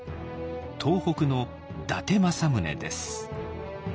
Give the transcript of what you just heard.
東北の伊達政宗です。